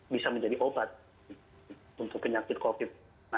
bisa menjadi obat untuk penyakit covid sembilan belas